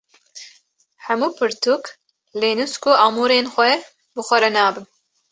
Hemû pirtûk, lênûs û amûrên xwe bi xwe re nabim.